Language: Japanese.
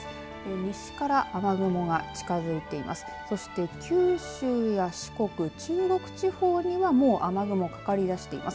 西から雨雲が近づいています。